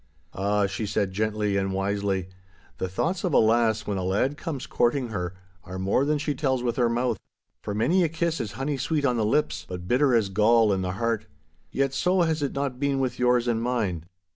'Ah,' she said gently and wisely, 'the thoughts of a lass when a lad comes courting her, are more than she tells with her mouth. For many a kiss is honey sweet on the lips, but bitter as gall in the heart. Yet so has it not been with yours and mine.